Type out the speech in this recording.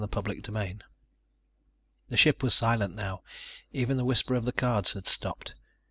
CHAPTER THIRTEEN The ship was silent now. Even the whisper of the cards had stopped.